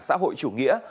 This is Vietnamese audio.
xã hội chủ nghĩa